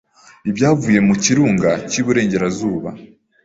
Ibyavuye mu kirunga cyiburengerazuba